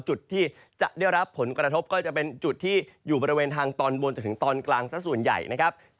จุดที่จะได้รับผลกระทบก็จะเป็นจุดที่อยู่บริเวณทางตอนบนจนถึงตอนกลางสักส่วนใหญ่นะครับ